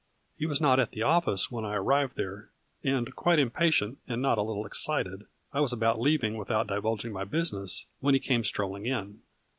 He was not at the office when I arrived there, and quite impatient and not a little excited, I was about leaving without divulging my busi ness, when he came strolling in.